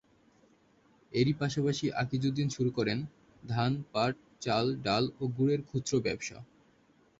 এরই পাশাপাশি আকিজউদ্দীন শুরু করেন ধান, পাট, চাল, ডাল ও গুড়ের খুচরা ব্যবসা।